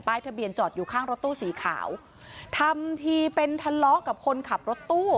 ทะเบียนจอดอยู่ข้างรถตู้สีขาวทำทีเป็นทะเลาะกับคนขับรถตู้